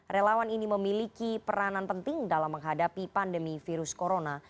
relawan ini memiliki peranan penting dalam menghadapi pandemi virus corona